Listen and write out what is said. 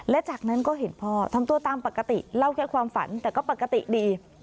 และจากนั้นก็เห็นพ่อทำตัวตามปกติเล่าแค่ความฝันแต่ก็ปกติดี